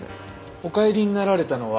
お帰りになられたのは？